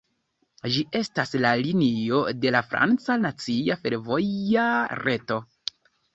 Ĝi estas la linio de la franca nacia fervoja reto.